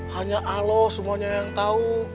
hanya alo semuanya yang tahu